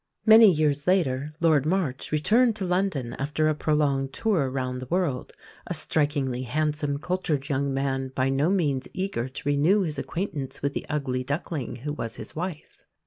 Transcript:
Many years later Lord March returned to London after a prolonged tour round the world a strikingly handsome, cultured young man, by no means eager to renew his acquaintance with the "ugly duckling" who was his wife.